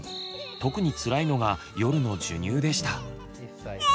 特につらいのが夜の授乳でした。